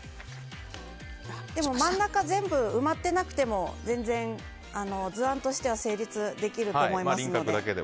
でも真ん中全部埋まっていなくても全然、図案としては成立できると思いますので。